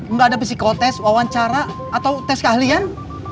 nggak ada psikotest wawancara atau tes keahlian